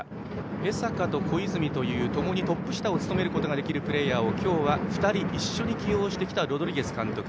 江坂と小泉というともにトップ下を務めることができるプレーヤーを今日は２人一緒に起用したロドリゲス監督。